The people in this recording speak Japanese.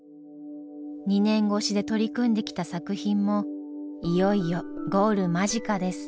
２年越しで取り組んできた作品もいよいよゴール間近です。